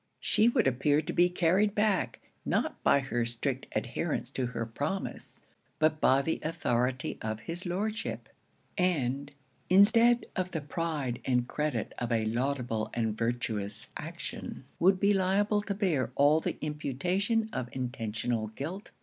She would appear to be carried back, not by her strict adherence to her promise, but by the authority of his Lordship; and instead of the pride and credit of a laudable and virtuous action, would be liable to bear all the imputation of intentional guilt.